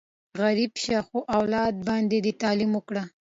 غریب شه، خو اولاد باندې دې تعلیم وکړه!